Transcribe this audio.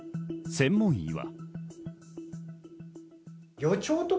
専門医は。